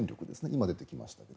今出てきました